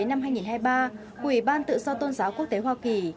năm hai nghìn hai mươi ba của ủy ban tự do tôn giáo quốc tế hoa kỳ